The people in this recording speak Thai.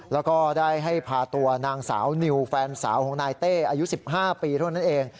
แล้วก็ได้ให้พาตัวนางสาวนิวแฟนสาวของนายเต้อายุ๑๕ปีเท่านั้นเอง